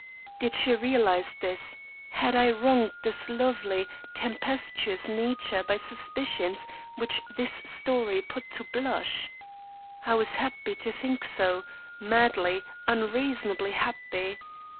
Did she realise this? Had I wronged this lovely, tempestuous nature by suspicions which this story put to blush? I was happy to think so madly, unreasonably happy.